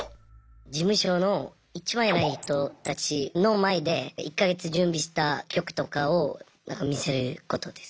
事務所のいちばんえらい人たちの前で１か月準備した曲とかを見せることです。